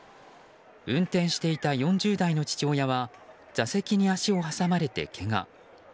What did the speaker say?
運転していた４０代の父親は座席に足を挟まれて、けが。